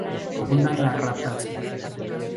Abundan las ratas.